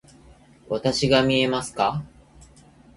わたしが見えますか？